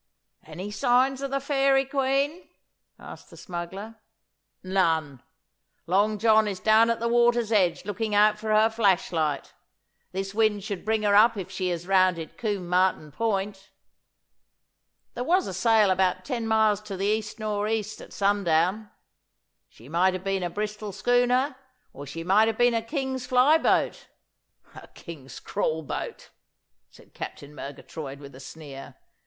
'Any signs of the Fairy Queen?' asked the smuggler. 'None. Long John is down at the water's edge looking out for her flash light. This wind should bring her up if she has rounded Combe Martin Point. There was a sail about ten miles to the east nor' east at sundown. She might have been a Bristol schooner, or she might have been a King's fly boat.' 'A King's crawl boat,' said Captain Murgatroyd, with a sneer.